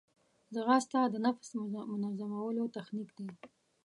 ځغاسته د نفس منظمولو تخنیک دی